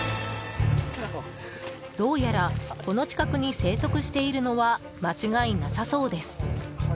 どうやらこの近くに生息しているのは間違いなさそうです。